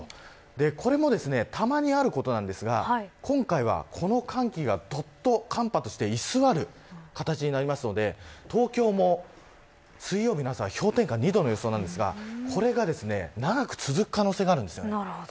これもですねたまにあることなんですが今回はこの寒気がどっと寒波として居座る形になるので東京も水曜日の朝は氷点下２度の予想ですがこれが長く続く可能性があるんです。